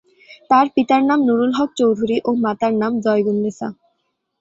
তার পিতার নাম নুরুল হক চৌধুরী ও মাতার নাম জয়গুন্নেছা।